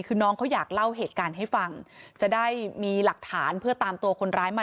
คือน้องเขาอยากเล่าเหตุการณ์ให้ฟังจะได้มีหลักฐานเพื่อตามตัวคนร้ายมา